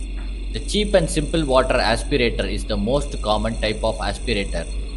The cheap and simple water aspirator is the most common type of aspirator.